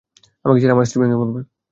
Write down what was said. আমাকে ছাড়া আমার স্ত্রী ভেঙ্গে পড়বে।